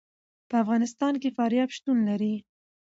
په افغانستان کې فاریاب شتون لري.